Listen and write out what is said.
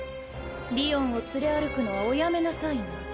りおんを連れ歩くのはおやめなさいな。